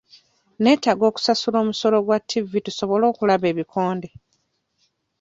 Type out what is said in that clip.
Neetaaga okusasula omusolo gwa ttivi tusobole okulaba ebikonde.